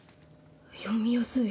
読みやすい。